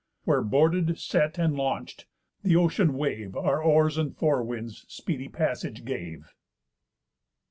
Where, boarded, set, and launch'd, the ocean wave Our oars and forewinds speedy passage gave.